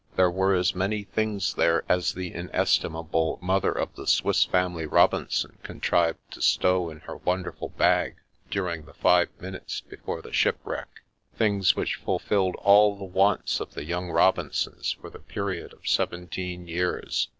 There were as many things there as the inestimable mother of the Swiss Family Robinson contrived to stow in her wonder ful bag during the five minutes before the ship wreck — ^things which fulfilled all the wants of the young Robinsons for the period of seventeen years.